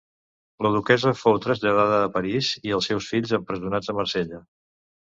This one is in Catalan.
La duquessa fou traslladada a París i els seus fills empresonats a Marsella.